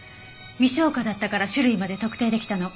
未消化だったから種類まで特定出来たの。